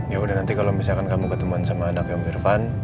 ya udah nanti kalau misalkan kamu ketemuan sama anaknya om irfan